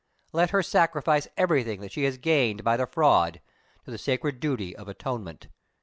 Let her sacrifice everything that she has gained by the fraud to the sacred duty of atonement.